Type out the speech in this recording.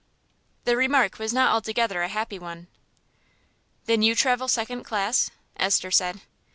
The remark was not altogether a happy one. "Then you travel second class?" Esther said.